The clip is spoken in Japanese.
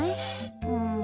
うん。